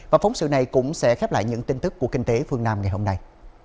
và phóng sự này cũng sẽ khép lại những tin tức của kinh tế phương nam ngày hôm nay